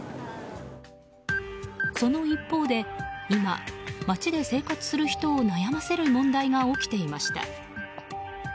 その一方で今、街で生活する人を悩ませる問題が起きていました。